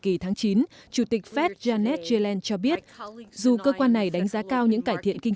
kỳ tháng chín chủ tịch fed janet yellen cho biết dù cơ quan này đánh giá cao những cải thiện kinh